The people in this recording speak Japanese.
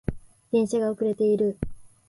電車が遅れている